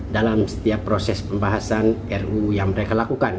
dalam setiap proses pembahasan ruu yang mereka lakukan